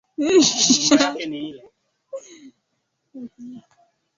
mrefuAina nyingine za matibabu ni pamoja na dawa badalia kama vile